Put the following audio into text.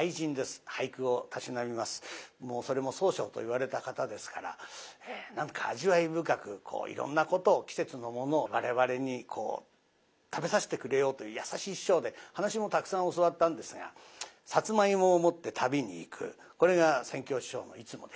それも宗匠といわれた方ですから何か味わい深くいろんなことを季節のものを我々に食べさせてくれようという優しい師匠で噺もたくさん教わったんですがさつまいもを持って旅に行くこれが扇橋師匠のいつもでした。